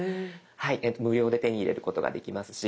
無料で手に入れることができますし。